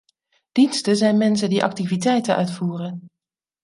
Diensten zijn mensen die activiteiten uitvoeren.